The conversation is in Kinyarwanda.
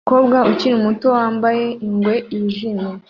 Umukobwa ukiri muto wambaye ingwe yijimye